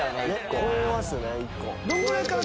超えますね一個。